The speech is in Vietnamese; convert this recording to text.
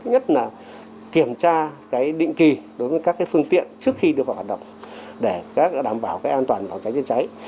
thứ nhất là kiểm tra định kỳ đối với các phương tiện trước khi được hoạt động để đảm bảo an toàn vào cháy chữa cháy